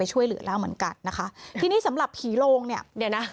ช่วยเหลือแล้วเหมือนกันนะคะทีนี้สำหรับผีโลงเนี่ยเดี๋ยวนะ